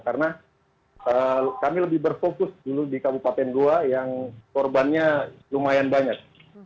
karena kami lebih berfokus dulu di kabupaten goa yang korbannya lumayan banyak